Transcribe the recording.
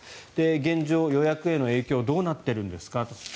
現状、予約への影響どうなっているんですか？